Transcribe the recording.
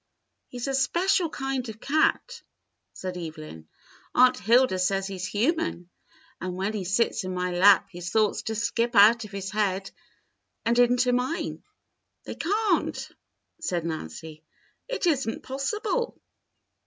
"He's a special kind of cat," said Evelyn. "Aunt Hilda says he's human, and when he sits in my lap his thoughts just skip out of his head and into mine." "They can't," said Nancy. "It is n't possible."